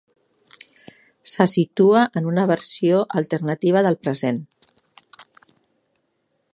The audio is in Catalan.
Se situa en una versió alternativa del present.